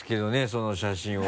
その写真は。